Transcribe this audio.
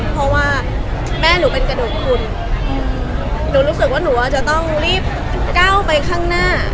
เพราะว่าแม่หนูเป็นกระดูกคุณหนูรู้สึกว่าหนูอาจจะต้องรีบก้าวไปข้างหน้า